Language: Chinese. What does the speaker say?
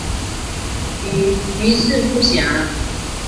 余事不详。